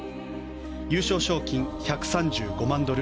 優勝賞金１３５万ドル